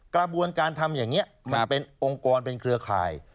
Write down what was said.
กระบวนการทำอย่างนี้มันเป็นองค์กรเป็นเครือข่าย